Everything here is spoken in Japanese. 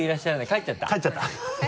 帰っちゃった。